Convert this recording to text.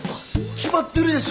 決まってるでしょ